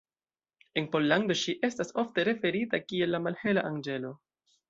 En Pollando, ŝi estas ofte referita kiel "la malhela anĝelo".